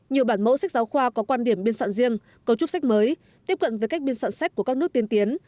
nhiều bản mẫu sách giáo khoa có quan điểm biên soạn riêng cấu trúc sách mới tiếp cận với cách biên soạn sách của các nước tiên tiến